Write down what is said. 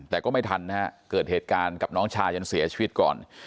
แต่ก็ไม่ทันนะฮะเกิดเหตุการณ์กับน้องชายันเสียชีวิตก่อน